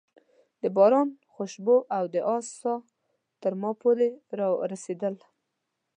د باران خوشبو او د آس ساه تر ما پورې رارسېدل.